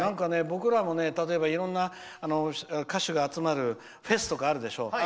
僕らも例えばいろんな歌手が集まるフェスとかあるでしょ。